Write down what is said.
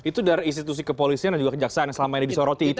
itu dari institusi kepolisian dan juga kejaksaan yang selama ini disoroti itu